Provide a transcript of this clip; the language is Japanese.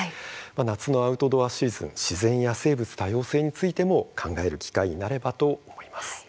夏のアウトドアシーズン自然や生物多様性についても考える機会になればと思います。